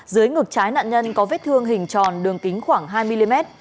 dưới ngược trái nạn nhân có vết thương hình tròn đường kính khoảng hai mm